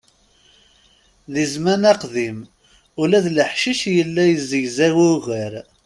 Di zzman aqdim, ula d leḥcic yella zegzaw ugar.